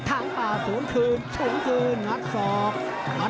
ติดตามยังน้อยกว่า